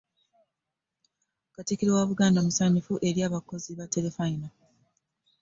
Katikkiro wa Buganda musanyufu eri abakozi ba tterefayina.